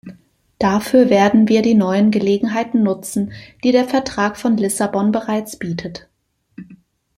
Dafür werden wir die neuen Gelegenheiten nutzen, die der Vertrag von Lissabon bereits bietet.